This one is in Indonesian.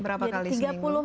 berapa kali seminggu